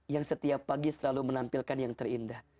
yang setiap pagi selalu menampilkan yang terindah